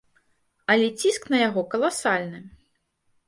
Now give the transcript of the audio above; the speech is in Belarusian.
Але ціск на яго каласальны!